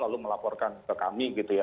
lalu melaporkan ke kami gitu ya